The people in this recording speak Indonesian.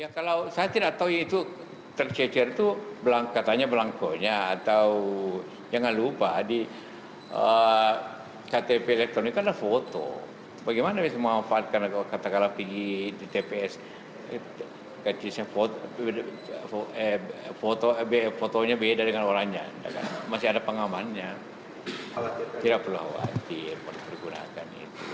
fotonya beda dengan orangnya masih ada pengamannya tidak perlu khawatir menggunakan itu